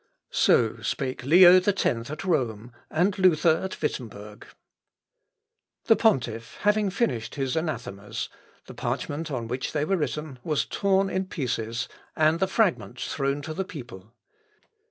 So spake Leo X at Rome, and Luther at Wittemberg. The pontiff having finished his anathemas, the parchment on which they were written was torn in pieces, and the fragments thrown to the people.